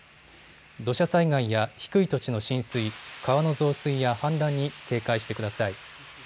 土砂災害や低い土地の浸水、川の増水や氾濫に警戒してください。